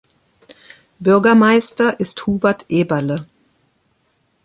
Bürgermeister ist Hubert Eberle.